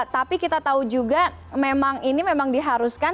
tapi kita tahu juga memang ini memang diharuskan